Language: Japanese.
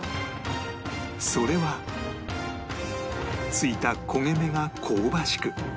それはついた焦げ目が香ばしく